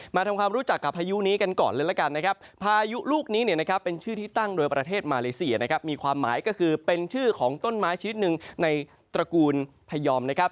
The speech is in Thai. มาทำความรู้จักกับพายุนี้กันก่อนเลยละกันนะครับพายุลูกนี้เนี่ยนะครับเป็นชื่อที่ตั้งโดยประเทศมาเลเซียนะครับมีความหมายก็คือเป็นชื่อของต้นไม้ชนิดหนึ่งในตระกูลพยอมนะครับ